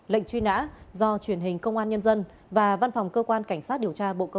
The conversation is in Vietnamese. lệnh truy nã do truyền hình công an nhân dân và văn phòng cơ quan cảnh sát điều tra bộ công an phối hợp thực hiện